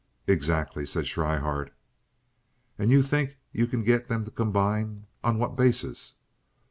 "Exactly," said Schryhart. "And you think you can get them to combine? On what basis?"